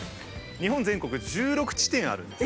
日本全国１６地点あるんです。